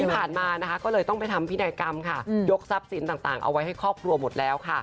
ผ่านมานะคะก็เลยต้องไปทำพินัยกรรมค่ะยกทรัพย์สินต่างเอาไว้ให้ครอบครัวหมดแล้วค่ะ